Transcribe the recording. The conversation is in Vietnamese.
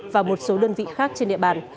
và một số đơn vị khác trên địa bàn